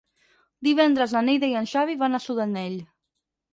Divendres na Neida i en Xavi van a Sudanell.